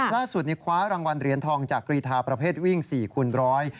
ล่าสุดคว้ารางวัลเหรียญทองจากกรีธาประเภทวิ่ง๔คูณร้อย